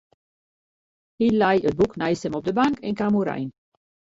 Hy lei it boek neist him op de bank en kaam oerein.